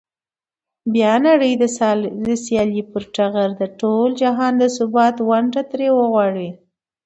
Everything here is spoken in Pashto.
بیا نړۍ د سیالۍ پر ټغر د ټول جهان د ثبات ونډه ترې وغواړي.